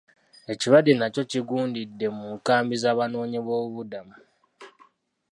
Ekirwadde nakyo kigundidde mu nkambi z'abanoonyi b'obubuddamu.